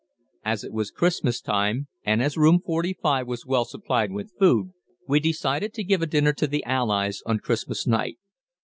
As it was Christmas time, and as Room 45 was well supplied with food, we decided to give a dinner to the Allies on Christmas night.